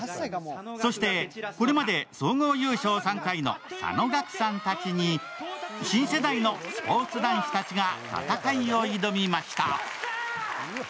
そして、これまで総合優勝３回の佐野岳さんたちに新世代のスポーツ男子たちが戦いを挑みました。